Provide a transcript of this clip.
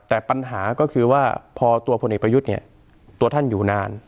แต่ปัญหาก็คือว่าพอตัวพลเอกประยุทธ์เนี่ยตัวท่านอยู่นาน